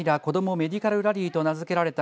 メディカルラリーと名付けられた